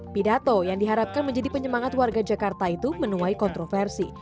pidato yang diharapkan menjadi penyemangat warga jakarta itu menuai kontroversi